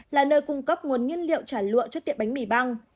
là nơi cung cấp nguồn nguyên liệu trả lụa cho tiệm bánh mì băng